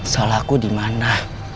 soal aku dimana